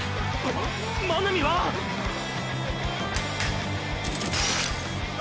真波はァ！！